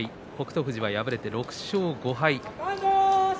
富士は敗れて６勝５敗です。